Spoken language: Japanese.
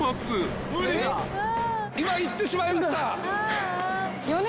今行ってしまいました。